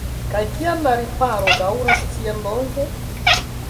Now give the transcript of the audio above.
Kaj kial la riparo daŭras tiel longe?